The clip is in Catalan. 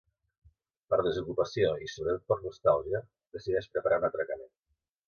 Per desocupació i sobretot per nostàlgia, decideix preparar un atracament.